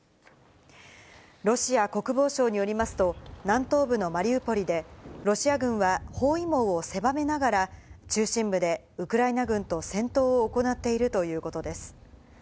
ロシア国防省によりますと、南東部のマリウポリで、ロシア軍は包囲網を狭めながら、中心部でウクライナ軍と戦闘を行っているということです。